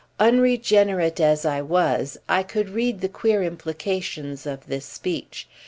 Unregenerate as I was I could read the queer implications of this speech.